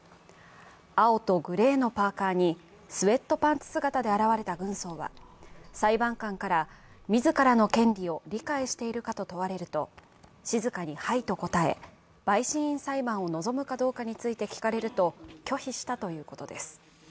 青とグレーのパーカーにスエットパンツ姿で現れた軍曹は裁判官から、自らの権利を理解しているかと問われると、静かに「はい」と答え、陪審員裁判を望むかどうかについて聞かれると、拒否したということです。